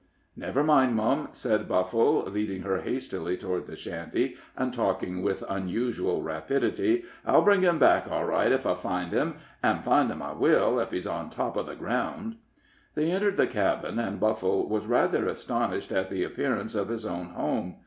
"Never mind, mum," said Buffle, leading her hastily toward the shanty, and talking with unusual rapidity. "I'll bring him back all right ef I find him; an' find him I will, ef he's on top of the ground." They entered the cabin, and Buffle was rather astonished at the appearance of his own home.